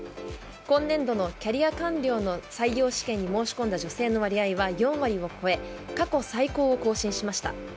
今年度のキャリア官僚の採用試験に申し込んだ女性の割合が４割を超え過去最高を更新しました。